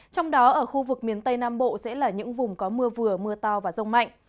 trong đó ở khu vực miền tây nam bộ sẽ là những vùng có mưa vừa mưa to và rông mạnh